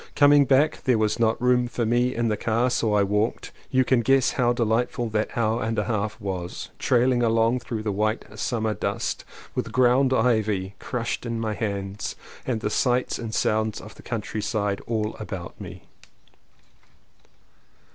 Coming back there was not room for me in the car so I walked. You can guess how delightful that hour and a half was; trailing along through the white summer dust, with ground ivy crushed in my hands and the sights and sounds of the countryside all about me.